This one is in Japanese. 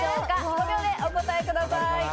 ５秒でお答えください。